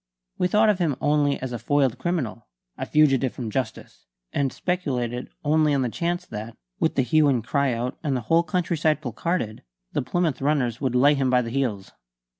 We thought of him only as a foiled criminal, a fugitive from justice, and speculated only on the chance that, with the hue and cry out and the whole countryside placarded, the Plymouth runners would lay him by the heels.